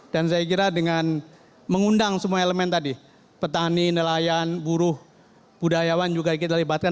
saya kira dengan mengundang semua elemen tadi petani nelayan buruh budayawan juga kita libatkan